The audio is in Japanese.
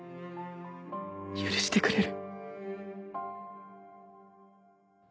許してくれる。